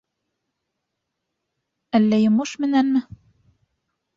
— Әллә йомош менәнме?